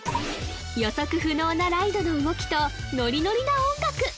予測不能なライドの動きとノリノリな音楽